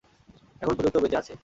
এখন পর্যন্ত বেঁচে আছে।